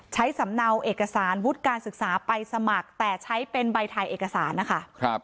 สำเนาเอกสารวุฒิการศึกษาไปสมัครแต่ใช้เป็นใบถ่ายเอกสารนะคะ